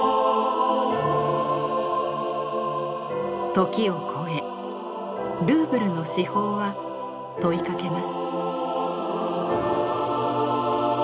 時を超えルーブルの至宝は問いかけます。